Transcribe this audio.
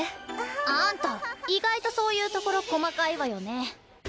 あんた意外とそういうところ細かいわよね。